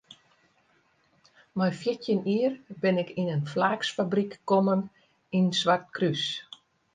Mei fjirtjin jier bin ik yn in flaaksfabryk kommen yn Swartkrús.